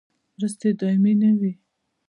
مرستې دایمي نه وي